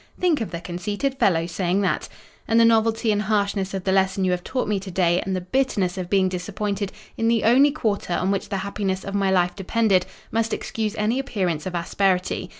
(Think of the conceited fellow saying that!) 'And the novelty and harshness of the lesson you have taught me to day, and the bitterness of being disappointed in the only quarter on which the happiness of my life depended, must excuse any appearance of asperity.